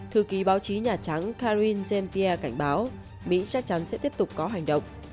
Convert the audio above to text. thư ký báo chí nhà trắng karine jean pia cảnh báo mỹ chắc chắn sẽ tiếp tục có hành động